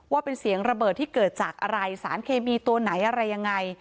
ว่าเป็นเสียงระเบิดที่เกิดจากอะไรสารเคมีตัวไหนอะไรยังไง